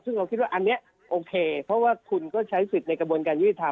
ซึ่งเราคิดว่าอันนี้โอเคเพราะว่าคุณก็ใช้สิทธิ์ในกระบวนการยุทธิธรรม